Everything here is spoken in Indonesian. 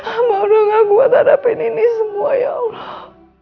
amba udah ngakuat hadapin ini semua ya allah